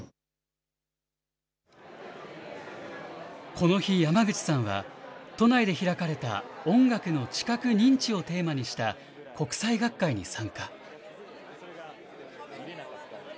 この日、山口さんは、都内で開かれた音楽の知覚・認知をテーマにした国際学会に参加。